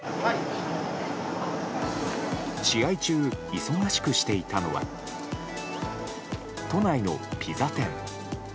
試合中、忙しくしていたのは都内のピザ店。